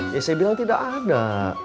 ya saya bilang tidak ada